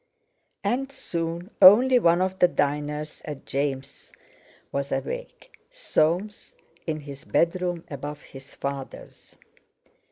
And soon only one of the diners at James' was awake—Soames, in his bedroom above his father's.